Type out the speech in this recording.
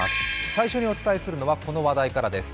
最初にお伝えするのはこの話題からです。